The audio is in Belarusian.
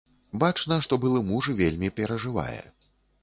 Бачна, што былы муж вельмі перажывае.